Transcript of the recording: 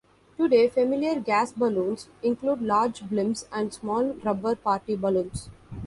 Today, familiar gas balloons include large blimps and small rubber party balloons.